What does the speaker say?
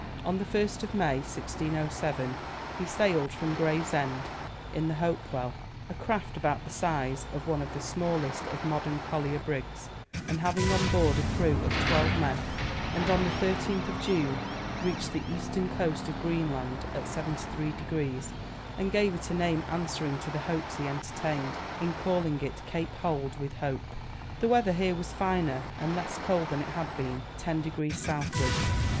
On the 1st of May, 1607, he sailed from Gravesend in the Hopewell, a craft about the size of one of the smallest of modern collier brigs, and having on board a crew of twelve men; and on the 13th of June, reached the eastern coast of Greenland at 73 degrees, and gave it a name answering to the hopes he entertained, in calling it Cape Hold with Hope. The weather here was finer and less cold than it had been ten degrees southwards.